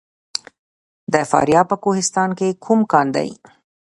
د فاریاب په کوهستان کې کوم کان دی؟